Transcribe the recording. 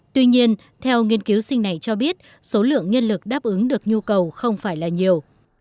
tuy nhiên theo nghiên cứu sinh này cho biết số lượng nhân lực đáp ứng được nhu cầu không phải là nhiều